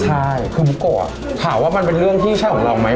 ใช่คือบุโกะถามว่ามันเป็นเรื่องที่ใช่ของเราไหม